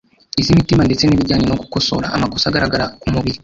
iz’imitima ndetse n’ibijyanye no gukosora amakosa agaragara ku mubiri